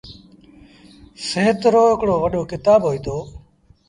سهت روهڪڙو وڏو ڪتآب هوئيٚتو۔